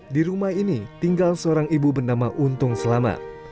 di rumah ini tinggal seorang ibu bernama untung selamat